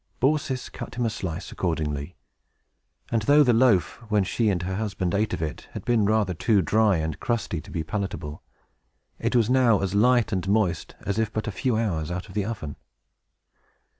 [Illustration: THE STRANGERS ENTERTAINED] Baucis cut him a slice, accordingly; and though the loaf, when she and her husband ate of it, had been rather too dry and crusty to be palatable, it was now as light and moist as if but a few hours out of the oven.